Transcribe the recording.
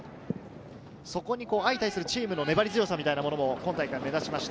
そこに相対するチームの粘り強さみたいなものも目立ちました。